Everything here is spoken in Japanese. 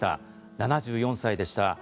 ７４歳でした。